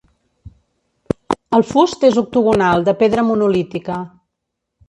El fust és octogonal de pedra monolítica.